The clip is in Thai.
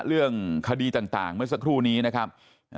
เรื่องคดีต่างเมื่อสักครู่นี้นะครับ